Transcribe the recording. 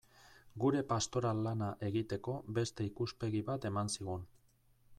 Gure pastoral lana egiteko beste ikuspegi bat eman zigun.